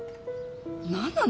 何なの？